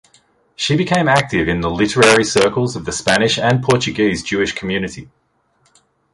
She became active in the literary circles of the Spanish and Portuguese Jewish community.